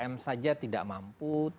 tiga m saja tidak mampu